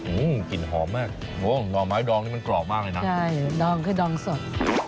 อื้อกลิ่นหอมมากหน่อไม้ดองเนี่ยกรอบมากเลยนะ